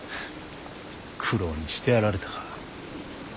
九郎にしてやられたか。